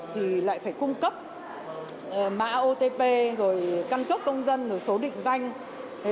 thì lại phải cung cấp mã otp rồi căn cước công dân rồi số định danh